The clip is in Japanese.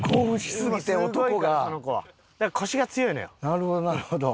なるほどなるほど。